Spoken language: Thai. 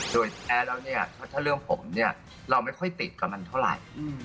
โดยแท้แล้วเนี่ยถ้าเรื่องผมเนี่ยเราไม่ค่อยติดกับมันเท่าไหร่